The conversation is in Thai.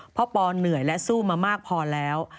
เพราะปอเหนื่อยและสู้มามากพอแล้ว